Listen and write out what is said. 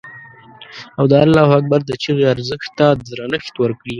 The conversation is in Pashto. او د الله اکبر د چیغې ارزښت ته درنښت وکړي.